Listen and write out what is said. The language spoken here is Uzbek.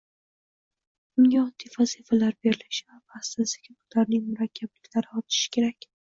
unga oddiy vazifalar berilishi va asta-sekin ularning murakkabliklari orttirilishi kerak.